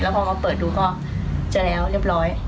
พอมาเปิดดูก็จะแล้วเรียบร้อย